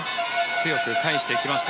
強く返していきました。